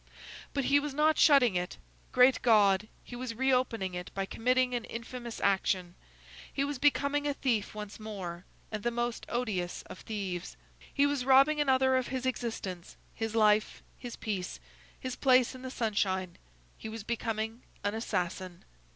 But he was not shutting it! great God! he was re opening it by committing an infamous action! He was becoming a thief once more, and the most odious of thieves! He was robbing another of his existence, his life, his peace, his place in the sunshine. He was becoming an assassin.